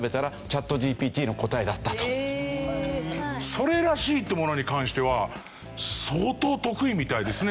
それらしいってものに関しては相当得意みたいですね